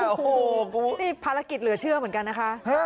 โอ้โหนี่ภารกิจเหลือเชื่อเหมือนกันนะคะ